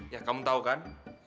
ya kamu tahu kan